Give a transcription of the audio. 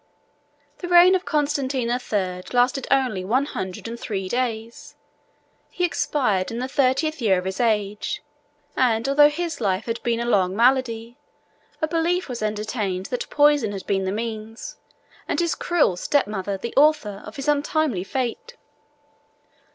The reign of Constantine the Third lasted only one hundred and three days: he expired in the thirtieth year of his age, and, although his life had been a long malady, a belief was entertained that poison had been the means, and his cruel step mother the author, of his untimely fate.